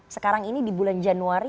sekarang ini di bulan januari